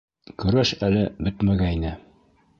Көрәш әле бөтмәгәйне.